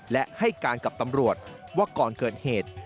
และให้การกับตำรวจว่าก่อนเกิดเหตุ